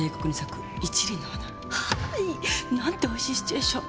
何ておいしいシチュエーション。